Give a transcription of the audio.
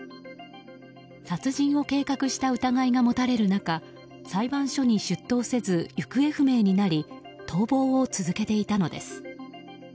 殺人を計画した疑いが持たれる中裁判所に出頭せず行方不明になり逃亡を続けていたのです。